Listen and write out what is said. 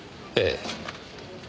ええ。